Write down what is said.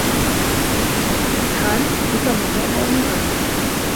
عند الامتحان يكرم المرء أو يهان